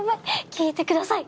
聞いてください。